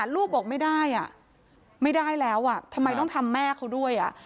ลูกบอกไม่ได้ไม่ได้แล้วทำไมต้องทำแม่เขาด้วย